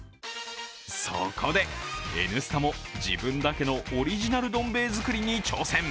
そこで「Ｎスタ」も自分だけのオリジナルどん兵衛づくりに挑戦。